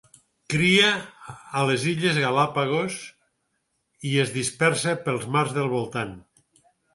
Cria a les illes Galápagos i es dispersa pels mars del voltant.